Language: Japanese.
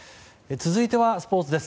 続いてはスポーツです。